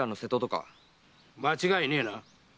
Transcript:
間違いねえな？